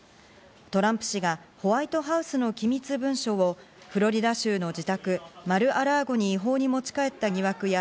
トランプ氏がホワイトハウスの機密文書をフロリダ州の自宅マル・ア・ラーゴに違法に持ち帰った疑惑や、